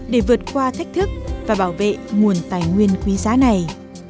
để vượt qua thách thức và bảo vệ nguồn tài nguyên quý giá này